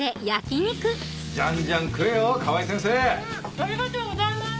ありがとうございます！